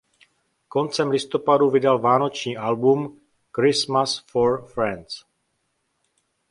Koncem listopadu vydal vánoční album "Christmas with Friends".